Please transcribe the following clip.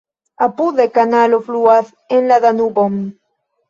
Apude kanalo fluas en la Danubon.